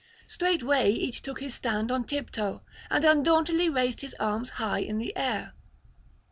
Straightway each took his stand on tiptoe, and undauntedly raised his arms high in air.